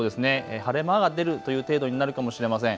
晴れ間が出るという程度になるかもしれません。